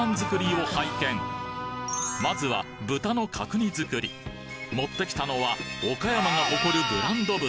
まずは豚の角煮作り持ってきたのは岡山が誇るブランド豚